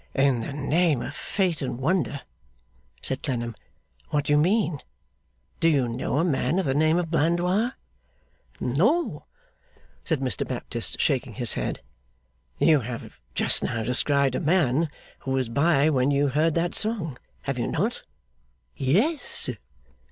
'In the name of Fate and wonder,' said Clennam, 'what do you mean? Do you know a man of the name of Blandois?' 'No!' said Mr Baptist, shaking his head. 'You have just now described a man who was by when you heard that song; have you not?' 'Yes!